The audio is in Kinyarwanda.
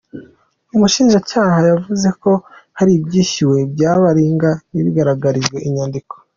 Umushinjacyaha yavuze ko hari ibyishyuwe bya baringa ntibigaragarizwe inyandiko.